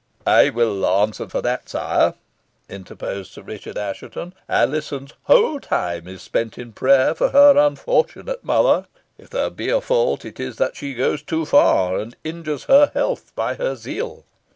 "I will answer for that, sire," interposed Sir Richard Assheton. "Alizon's whole time is spent in prayer for her unfortunate mother. If there be a fault it is that she goes too far, and injures her health by her zeal."